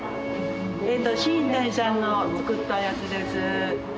新谷さんの作ったやつです。